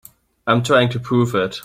I'm trying to prove it.